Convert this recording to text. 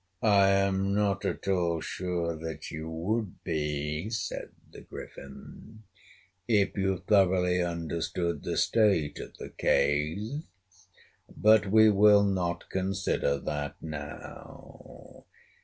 "I am not at all sure that you would be," said the Griffin, "if you thoroughly understood the state of the case, but we will not consider that now.